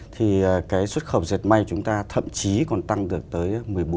thì cái xuất khẩu dệt may chúng ta thậm chí còn tăng được tới một mươi bốn